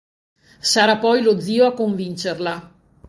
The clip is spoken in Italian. Sarà poi lo zio a convincerla.